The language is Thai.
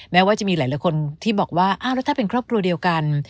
แม้ว่าจะมีหลายคนที่บอกว่าอ้าวแล้วถ้าเป็นครอบครัวเดียวกัน